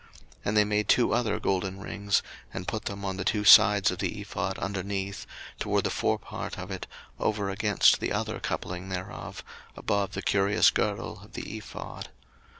02:039:020 And they made two other golden rings, and put them on the two sides of the ephod underneath, toward the forepart of it, over against the other coupling thereof, above the curious girdle of the ephod.